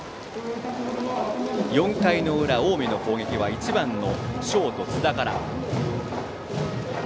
４回の裏、近江の攻撃は１番ショート、津田から。